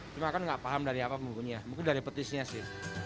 cuma kan nggak paham dari apa bumbunya mungkin dari petisnya sih